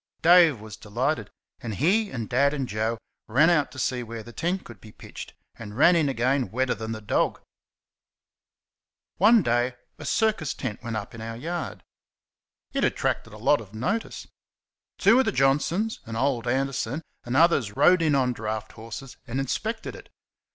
Dave was delighted, and he and Dad and Joe ran out to see where the tent could be pitched, and ran in again wetter than the dog. One day a circus tent went up in our yard. It attracted a lot of notice. Two of the Johnsons and old Anderson and others rode in on draught horses and inspected it.